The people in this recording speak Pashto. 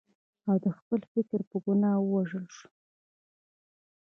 او د خپل فکر په ګناه ووژل شو.